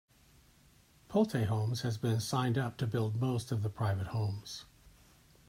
Pulte Homes has been signed up to build most of the private homes.